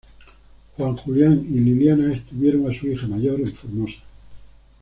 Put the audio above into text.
Juan Julián y Liliana tuvieron a su hija mayor en Formosa.